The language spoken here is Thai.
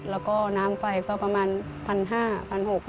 แล้วก็น้ำไฟก็ประมาณ๑๕๐๐๖๐๐บาท